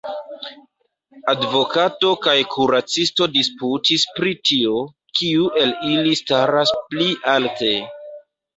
Advokato kaj kuracisto disputis pri tio, kiu el ili staras pli alte.